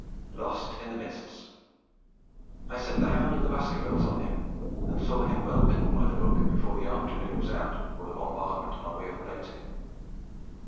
Lost in the mists. I set The Hound of the Baskervilles on him, and saw him well bitten by the book before the afternoon was out or the bombardment by way of abating.